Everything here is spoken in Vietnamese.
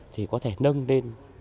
thì có thể nâng lên